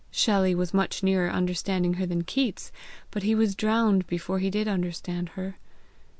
Shelley was much nearer understanding her than Keats, but he was drowned before he did understand her.